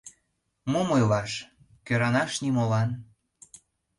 — Мом ойлаш — кӧранаш нимолан!